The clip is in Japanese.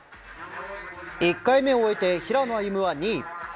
１回目を終えて平野歩夢は２位。